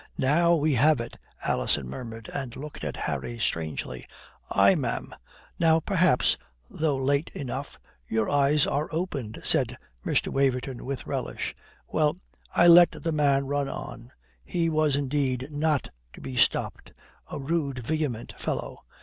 "Now we have it," Alison murmured and looked at Harry strangely. "Aye, ma'am. Now, perhaps (though late enough) your eyes are opened," said Mr. Waverton with relish. "Well, I let the man run on. He was indeed not to be stopped. A rude, vehement fellow.